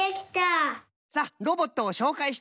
さっロボットをしょうかいしてください。